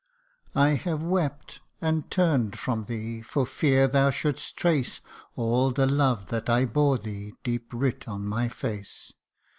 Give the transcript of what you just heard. I have wept and turn'd from thee, for fear thou shouldst trace All the love that I bore thee, deep writ on my face.